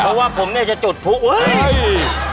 เพราะว่าผมเนี่ยจะจุดผู้เฮ้ย